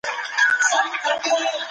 کوم تفریحي فعالیتونه د ذهن لپاره ګټور دي؟